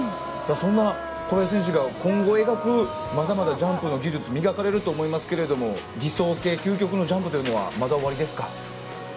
そんな小林選手が今後描くまだまだジャンプの技術を磨かれると思いますけれども理想形、究極のジャンプはまだおありですか？